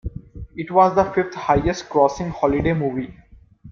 It was the fifth-highest-grossing holiday movie.